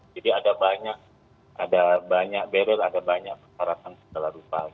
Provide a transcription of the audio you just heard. jadi ada banyak barrier ada banyak persyaratan setelah rupa